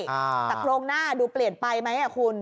แต่โครงหน้าดูเปลี่ยนไปหรือเปลี่ยนไหมคุณ